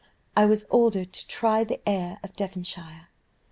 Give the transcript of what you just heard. I was ordered to try the air of Devonshire.